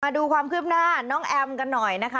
ดูความคืบหน้าน้องแอมกันหน่อยนะคะ